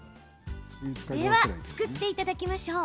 では、作っていただきましょう。